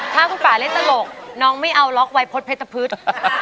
ถ้าคุณป่าเล่นตลกน้องไม่เอาล็อกวัยพฤษเพชรพฤษ